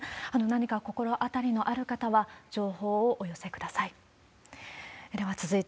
何か心当たりのある方は情報をお寄せください。